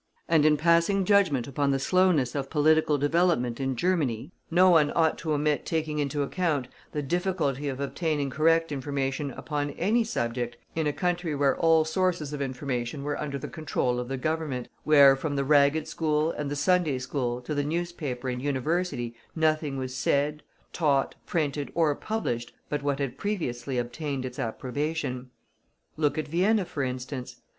And in passing judgment upon the slowness of political development in Germany no one ought to omit taking into account the difficulty of obtaining correct information upon any subject in a country where all sources of information were under the control of the Government, where from the Ragged School and the Sunday School to the Newspaper and University nothing was said, taught, printed, or published but what had previously obtained its approbation. Look at Vienna, for instance.